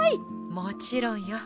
もちろんよ。